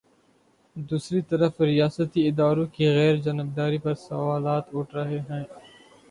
دوسری طرف ریاستی اداروں کی غیر جانب داری پر سوالات اٹھ رہے ہیں۔